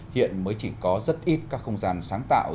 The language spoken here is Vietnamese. hiện mới chỉ có rất ít các không gian sáng tạo